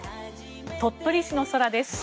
鳥取市の空です。